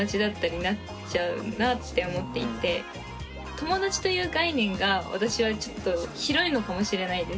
友達という概念が私はちょっと広いのかもしれないです。